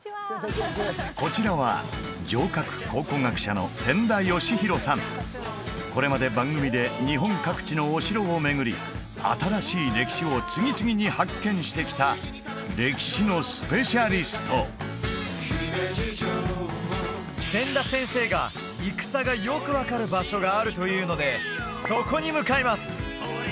こちらはこれまで番組で日本各地のお城を巡り新しい歴史を次々に発見してきた千田先生が戦がよく分かる場所があるというのでそこに向かいます